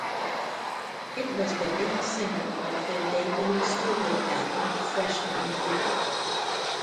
It was the lead single off their debut studio album "Freshman Year".